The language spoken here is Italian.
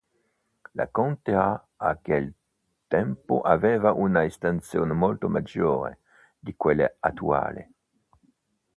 La contea a quel tempo aveva una estensione molto maggiore di quella attuale.